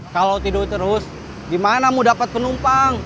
kalau tidur terus gimana mau dapat penumpang